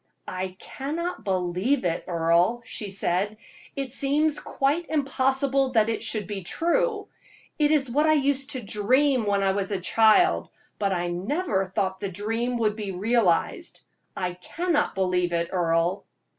"I cannot believe it, Earle," she said, "it seems quite impossible that it should be true. It is what I used to dream when a child, but I never thought the dream would be realized. I cannot believe it, Earle."